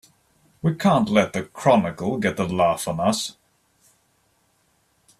We can't let the Chronicle get the laugh on us!